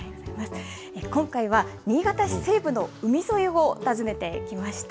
今回は新潟市西部の海沿いを訪ねてきました。